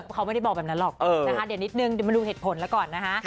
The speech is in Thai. เขาไม่ได้บอกแบบนั้นหรอกเดี๋ยวนิดนึงมาดูเหตุผลละก่อนนะฮะ